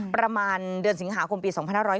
ประมาณเดือนสิงหาคมปี๒๕๖๐